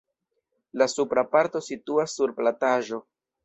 La supra parto situas sur plataĵo.